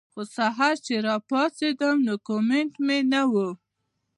خو سحر چې راپاسېدم نو کمنټ مې نۀ وۀ